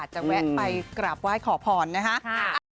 อาจจะแวะไปกราบไหว้ขอผ่อนนะฮะ